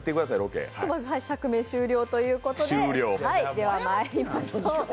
ひとまず釈明終了ということでではまいりましょう。